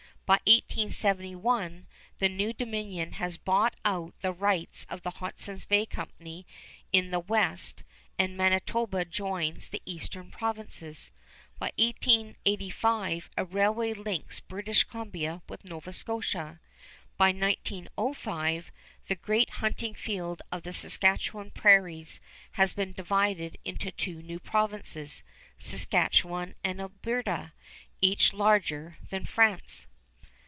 By 1871 the new Dominion has bought out the rights of the Hudson's Bay Company in the West and Manitoba joins the Eastern Provinces. By 1885 a railway links British Columbia with Nova Scotia. By 1905 the great hunting field of the Saskatchewan prairies has been divided into two new provinces, Saskatchewan and Alberta, each larger than France.